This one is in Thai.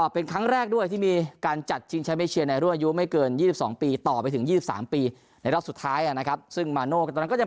ไปถึง๒๓ปีในรอบสุดท้ายนะครับซึ่งมาโน่ตอนนั้นก็ยัง